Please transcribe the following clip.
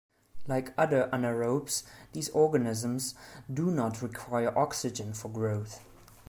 Like other anaerobes, these organisms do not require oxygen for growth.